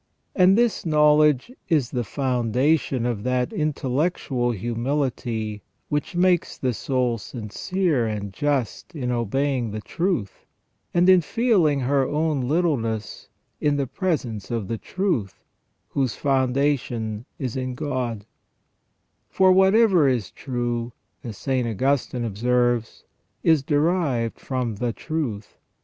And this knowledge is the foundation of that intellectual humility which makes the soul sincere and just in obeying the truth, and in feeling her own littleness in the presence of the truth, whose foundation is in God, For "whatever is true," as St. Augustine observes, "is derived from the truth.